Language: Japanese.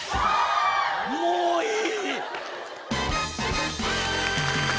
もういい。